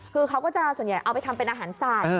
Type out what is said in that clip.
คือเขาก็จะส่วนใหญ่เอาไปทำเป็นอาหารสัตว์